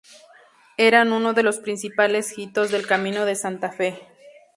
Eran uno de los principales hitos del Camino de Santa Fe.